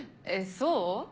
そう？